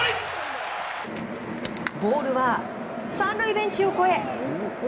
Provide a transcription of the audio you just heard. ボールは３塁ベンチを越え